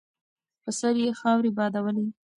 په سر یې خاورې بادولې.